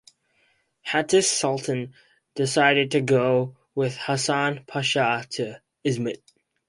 Hatice Sultan decided to go with Hasan Pasha to Izmit.